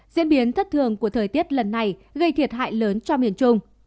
diễn biến thất thường của thời tiết lần này gây thiệt hại lớn cho miền trung